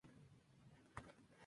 El fruto en utrículo aplanado.